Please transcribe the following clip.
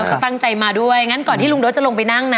ก็ตั้งใจมาด้วยงั้นก่อนที่ลุงโด๊จะลงไปนั่งนะ